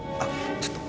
ちょっと。